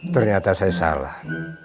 ternyata saya salah